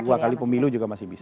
dua kali pemilu juga masih bisa